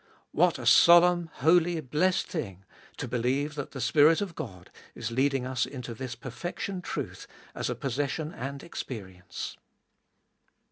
What a solemn, holy, blessed thing to believe that the Spirit of Qod is leading us into this perfection truth as a possession and experience.